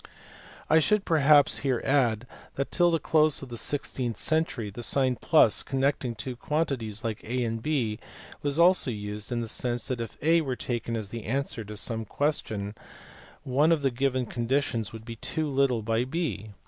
I should perhaps here add that till the close of the six teenth century the sign + connecting two quantities like a and b was also used in the sense that if a were taken as the answer to some question one of the given conditions would be too little by b.